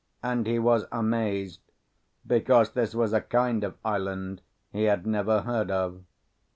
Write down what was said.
And he was amazed, because this was a kind of island he had never heard of.